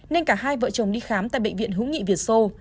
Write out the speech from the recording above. nên cả hai vợ chồng đi khám tại bệnh viện hữu nghị việt sô